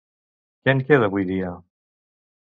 Què en queda, avui dia?